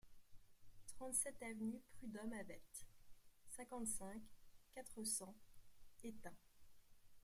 trente-sept avenue Prud'Homme Havette, cinquante-cinq, quatre cents, Étain